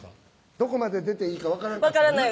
どこまで出ていいか分からんかってんな